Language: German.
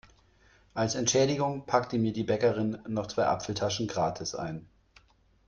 Als Entschädigung packte mir die Bäckerin noch zwei Apfeltaschen gratis ein.